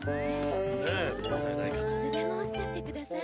いつでもおっしゃってください。